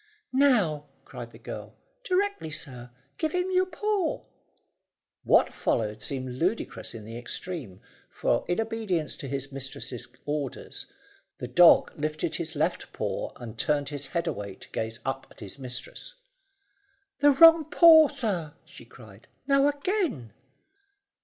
"Now," cried the girl, "directly, sir. Give him your paw." What followed seemed ludicrous in the extreme to the boy, for, in obedience to his mistress's orders, the dog lifted his left paw and turned his head away to gaze up at his mistress. "The wrong paw, sir," she cried. "Now, again."